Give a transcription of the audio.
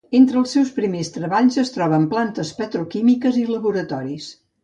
Entre els seus primers treballs es troben plantes petroquímiques i laboratoris.